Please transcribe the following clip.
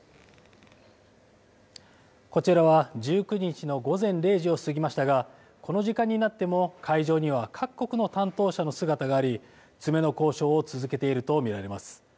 こちらは１９日の午前０時を過ぎましたが、この時間になっても、会場には各国の担当者の姿があり、詰めの交渉を続けていると見られます。